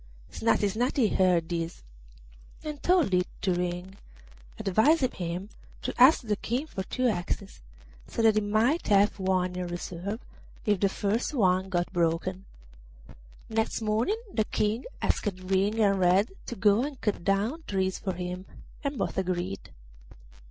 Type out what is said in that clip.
Snati Snati heard this and told it to Ring, advising him to ask the King for two axes, so that he might have one in reserve if the first one got broken. Next morning the King asked Ring and Red to go and cut down trees for him, and both agreed.